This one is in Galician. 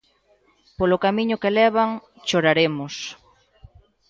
Polo camiño que levan, choraremos.